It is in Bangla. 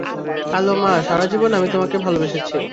হেলো মা সারাজীবন আমি তোমাকে ভালবেসেছি।